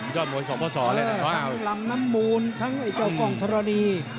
ทั้งลำน้ำมูลทั้งไอ้เจ้ากองธรรณี